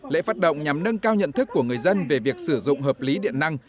lễ phát động nhằm nâng cao nhận thức của người dân về việc sử dụng hợp lý điện năng